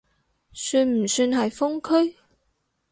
算唔算係封區？